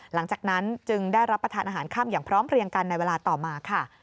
หลังจากนั้นจึงได้รับประทานอาหารค่ำอย่างพร้อมเพลียงกันในเวลาต่อมาค่ะ